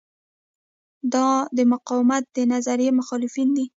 دا د مقاومت د نظریې مخالفین دي.